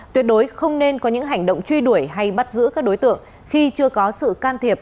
tuyệt đối không nên có những hành động truy đuổi hay bắt giữ các đối tượng khi chưa có sự can thiệp